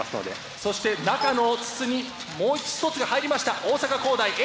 そして中の筒にもう一つが入りました大阪公大Ａ。